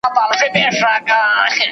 ایا د سړو اوبو غسل د بدن عضلات بیداره کوي؟